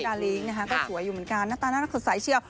ดาลิงนะฮะก็สวยอยู่เหมือนกันหน้าตาน่าน้ำขวดสวยสายเชียว